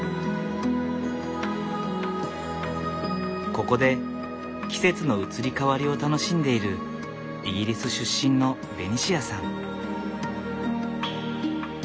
ここで季節の移り変わりを楽しんでいるイギリス出身のベニシアさん。